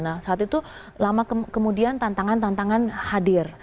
nah saat itu lama kemudian tantangan tantangan hadir